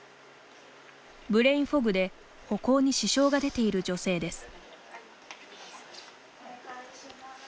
ブレインフォグで歩行に支障が出ている女性です。